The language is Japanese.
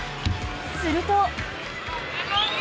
すると。